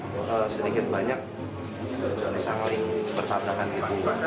saya ingin banyak disangling pertandakan kita